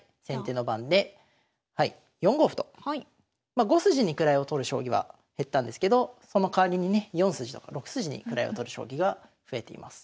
まあ５筋に位を取る将棋は減ったんですけどそのかわりにね４筋とか６筋に位を取る将棋が増えています。